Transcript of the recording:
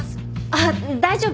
あっ大丈夫。